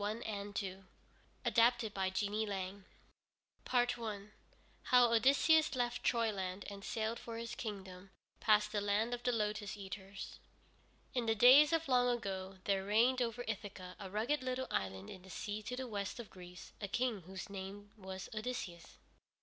ODYSSEUS ADAPTED BY JEANIE LANG I HOW ODYSSEUS LEFT TROYLAND AND SAILED FOR HIS KINGDOM PAST THE LAND OF THE LOTUS EATERS In the days of long ago there reigned over Ithaca, a rugged little island in the sea to the west of Greece, a King whose name was Odysseus.